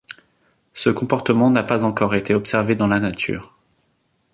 Ce comportement n'a pas encore été observé dans la nature.